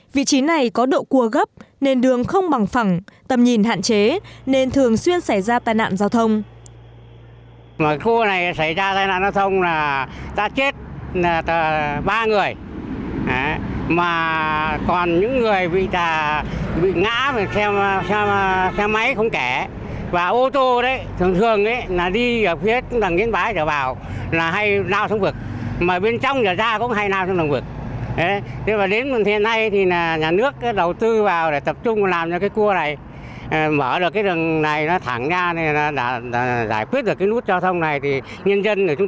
vị trí này có độ cua gấp nên đường không bằng phẳng tầm nhìn hạn chế nên thường xuyên xảy ra tai nạn giao thông